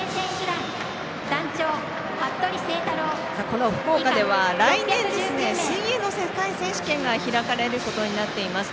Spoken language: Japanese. この福岡では来年、水泳の世界選手権が開かれることになっています。